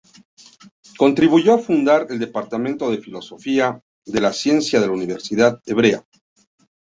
Contribuyó a fundar el departamento de filosofía de la ciencia de la Universidad Hebrea.